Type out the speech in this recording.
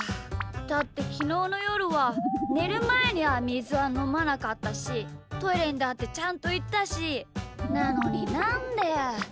だってきのうのよるはねるまえにはみずはのまなかったしトイレにだってちゃんといったしなのになんで。